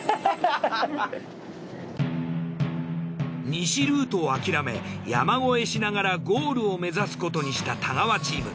西ルートを諦め山越えしながらゴールを目指すことにした太川チーム。